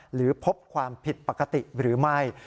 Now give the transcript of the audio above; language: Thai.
หรือพบความผิดปกติหรือไม่